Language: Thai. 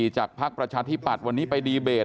พักประชาธิปัตย์วันนี้ไปดีเบต